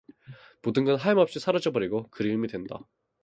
모든 건 하염없이 사라져 버리고 그리움이 된다.